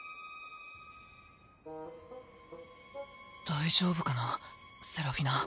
大丈夫かなセラフィナ？